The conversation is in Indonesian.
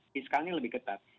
fiskalnya lebih ketat